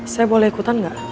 saya boleh ikutan gak